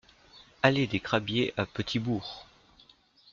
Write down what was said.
Allée des Crabiers à Petit-Bourg